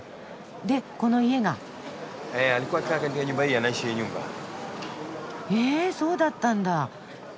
でこの家が。えそうだったんだ。